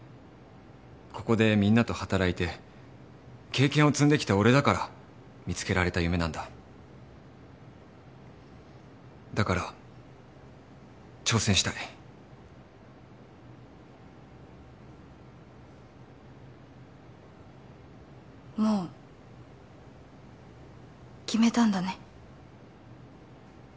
ここでみんなと働いて経験を積んできた俺だから見つけられた夢なんだだから挑戦したいもう決めたんだね